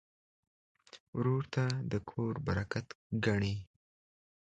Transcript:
ورور ته د کور برکت ګڼې.